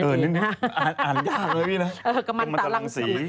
กำลังตรังสี